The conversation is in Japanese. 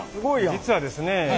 実はですね